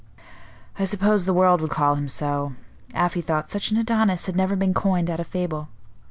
"I suppose the world would call him so. Afy thought such an Adonis had never been coined, out of fable.